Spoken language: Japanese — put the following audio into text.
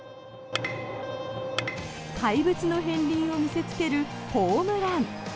怪物の片りんを見せつけるホームラン。